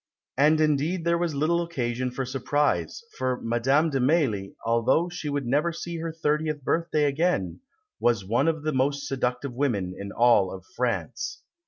And indeed there was little occasion for surprise; for Madame de Mailly, although she would never see her thirtieth birthday again, was one of the most seductive women in all France.